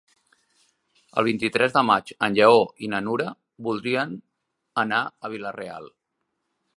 El vint-i-tres de maig en Lleó i na Nura voldrien anar a Vila-real.